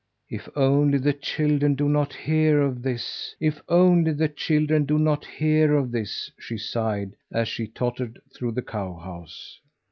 "If only the children do not hear of this! If only the children do not hear of this!" she sighed as she tottered through the cowhouse.